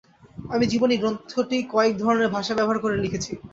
আমি জীবনী গ্রন্থটি কয়েক ধরনের ভাষা ব্যবহার করে লিখেছি।